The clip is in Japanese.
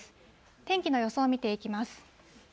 天気の予想を見ていきます。